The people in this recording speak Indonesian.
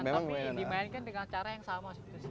tapi dimainkan dengan cara yang sama